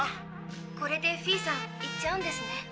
これでフィーさん行っちゃうんですね。